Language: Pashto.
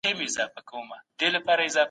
د فشار هورمونونه د زړه ناروغۍ خطر زیاتوي.